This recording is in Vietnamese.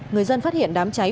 người dân phát hiện đám cháy